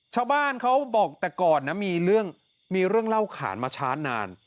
ชาวบ้านเขาบอกแต่ก่อนนะมีเรื่องเล่าขานมาช้านาน